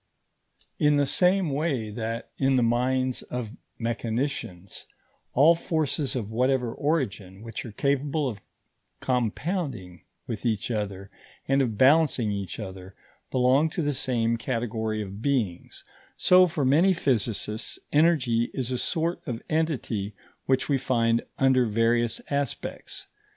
In the same way that, in the minds of mechanicians, all forces of whatever origin, which are capable of compounding with each other and of balancing each other, belong to the same category of beings, so for many physicists energy is a sort of entity which we find under various aspects.